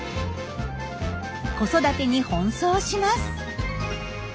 子育てに奔走します。